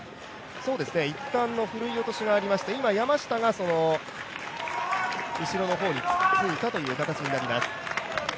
一旦ふるい落としがありまして今、山下が後ろの方についたという形になります。